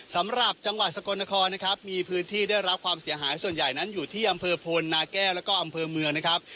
สำหรับจังหวัดสกลนครนะครับมีพื้นที่ได้รับความเสียหายส่วนใหญ่นั้นอยู่ที่อำเภอพลนาแก้วแล้วก็อำเภอเมืองนะครับ